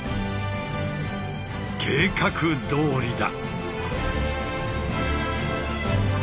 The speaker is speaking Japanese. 計画どおりだ。